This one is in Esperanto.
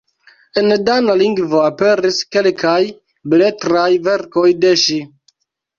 En dana lingvo aperis kelkaj beletraj verkoj de ŝi.